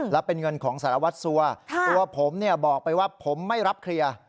และเป็นเงินของสารวัตรสัวตัวผมบอกไปว่าผมไม่รับเคลียร์